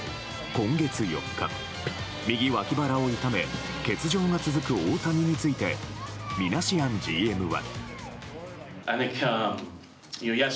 今月４日、右脇腹を痛め欠場が続く大谷についてミナシアンＧＭは。